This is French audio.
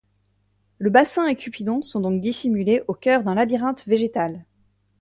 Le bassin et Cupidon sont donc dissimulés au cœur d'un labyrinthe végétal.